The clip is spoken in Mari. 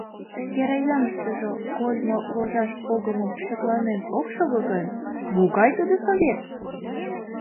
Шке районыштыжо кольмо ложаш погымым шекланен ок шого гын, могай тудо совет?